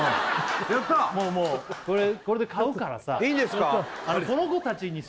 やったもうもうこれで買うからさいいんですか？